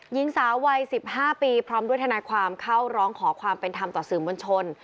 หญิงสาววัย๑๕ปีพร้อมด้วยทนายความเข้าร้องขอความเป็นธรรมต่อสื่อมวลชน